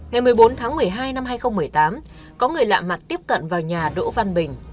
ngày một mươi bốn tháng một mươi hai năm hai nghìn một mươi tám có người lạ mặt tiếp cận vào nhà đỗ văn bình